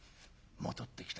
戻ってきた。